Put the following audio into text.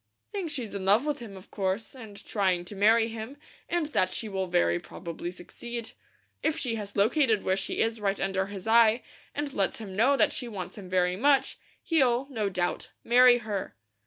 "Think she's in love with him, of course, and trying to marry him, and that she will very probably succeed. If she has located where she is right under his eye, and lets him know that she wants him very much, he'll, no doubt, marry her."